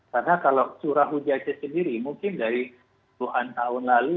karena kalau curah hujahnya sendiri mungkin dari puluhan tahun lalu